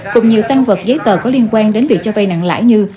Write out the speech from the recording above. cùng nhiều tăng vật giấy tờ có liên quan đến việc cho vay nặng lãi như